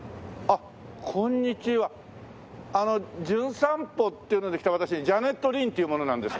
あの『じゅん散歩』っていうので来た私ジャネット・リンっていう者なんですけど。